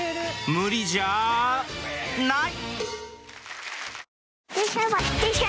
無理じゃない！